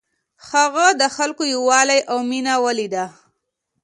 هغه د خلکو یووالی او مینه ولیده.